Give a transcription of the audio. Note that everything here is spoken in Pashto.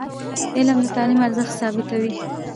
علم د تعلیم ارزښت ثابتوي.